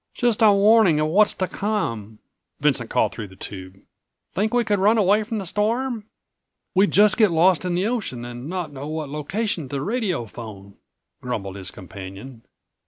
"Just a warning of what's to come," Vincent called through the tube. "Think we could run away from the storm?" "We'd just get lost on the ocean and not know what location to radiophone," grumbled his companion.